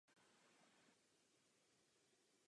Pro své charterové lety je využívá též společnost Miami Air.